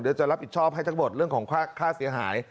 เดี๋ยวจะรับผิดชอบให้ทั้งหมดเรื่องของค่าเสียหาย